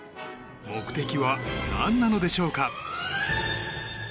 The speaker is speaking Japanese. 目的は何なのでしょうか？